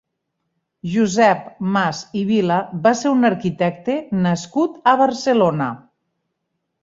Josep Mas i Vila va ser un arquitecte nascut a Barcelona.